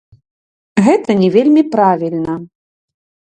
Гэта не вельмі правільна.